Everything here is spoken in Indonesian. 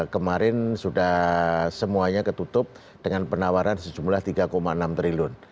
kemarin sudah semuanya ketutup dengan penawaran sejumlah rp tiga enam triliun